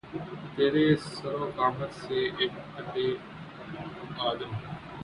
تیرے سرو قامت سے، اک قّدِ آدم